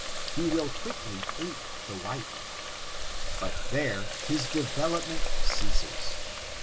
He win qaickly ape tiie ^Hiite. Bat there his derelopment ceases.